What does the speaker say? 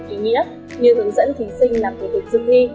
ý nghĩa như hướng dẫn thí sinh làm tổ chức dựng thi